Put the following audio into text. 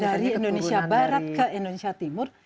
dari indonesia barat ke indonesia timur